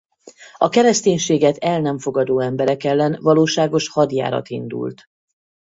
A kereszténységet el nem fogadó emberek ellen valóságos hadjárat indult.